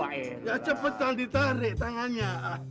cepetan ditarik tangannya